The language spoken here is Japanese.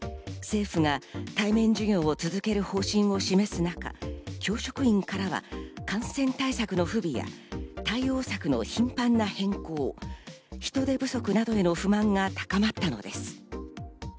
政府が対面授業を続ける方針を示す中、教職員からは感染対策の不備や対応策の頻繁な変更、人手不足などへの不満が高まったのです。